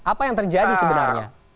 apa yang terjadi sebenarnya